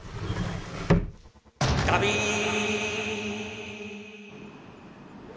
ガビーン！